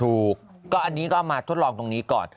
ถูกก็อันนี้ก็มาทดลองตรงนี้ก่อน